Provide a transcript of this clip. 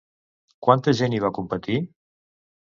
Quanta gent hi va competir?